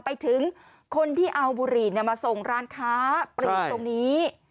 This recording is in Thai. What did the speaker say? ไปถึงคนที่เอาบุหรี่มาส่งร้านค้าปรีกตรงนี้